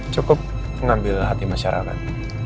cukup mengambil hati masyarakat